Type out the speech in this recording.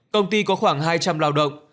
công ty có khoảng hai trăm linh lao động